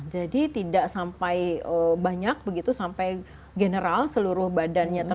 jadi tidak sampai banyak begitu sampai general seluruh badannya tertutup